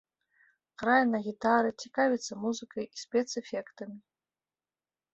Грае на гітары, цікавіцца музыкай і спецэфектамі.